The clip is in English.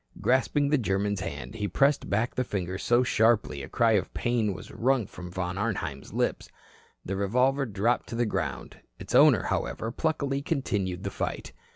Grasping the German's hand, he pressed back the fingers so sharply a cry of pain was wrung from Von Arnheim's lip. The revolver dropped to the ground. Its owner, however, pluckily continued the fight.